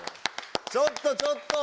ちょっとちょっと！